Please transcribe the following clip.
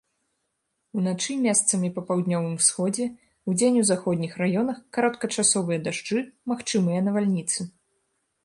Уначы месцамі па паўднёвым усходзе, удзень у заходніх раёнах кароткачасовыя дажджы, магчымыя навальніцы.